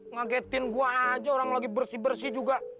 ngegetin gua aja orang lagi bersih bersih juga